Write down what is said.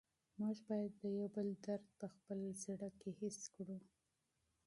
موږ باید د یو بل درد په خپل زړه کې حس کړو.